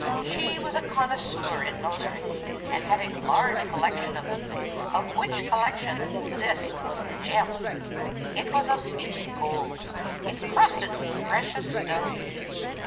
She was a connoisseur in nose rings, and had a large collection of them, of which collection this was the gem. It was of beaten gold, incrusted with precious stones.